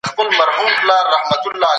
تاسي په دغه پېښي کي د ټول عمر رول درلودی.